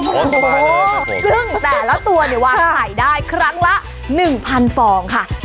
โอ้โหซึ่งแต่ละตัวเนี่ยวางไข่ได้ครั้งละ๑๐๐ฟองค่ะ